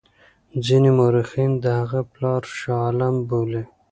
ځیني مورخین د هغه پلار شاه عالم بولي.